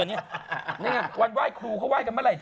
นี่วันไหว้ครูเขาไหว้กันเมื่อไรเธอ